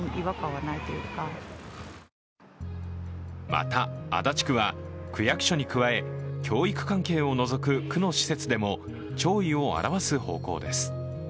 また、足立区は区役所に加え教育関係を除く区の施設でも弔意を表す方向です。